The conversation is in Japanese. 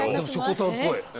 しょこたんっぽい。